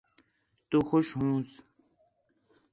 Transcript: تُو خوش ہوسیں